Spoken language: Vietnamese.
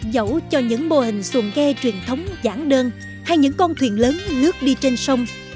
dẫu cho những mô hình xuồng ghe truyền thống giãn đơn hay những con thuyền lớn lướt đi trên sông